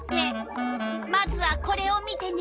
まずはこれを見てね。